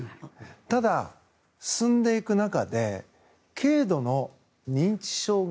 ただ、進んでいく中で軽度の認知障害